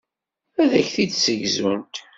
Ad ak-t-id-ssegzunt.